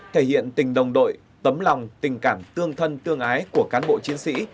thể hiện tình đồng đội tấm lòng tình cảm tương thân tương ái của cán bộ chiến sĩ